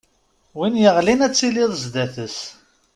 Win yeɣlin ad tiliḍ sdat-s.